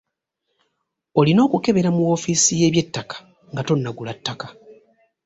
Olina okukebera mu woofisi y'ebyettaka nga tonnagula ttaka.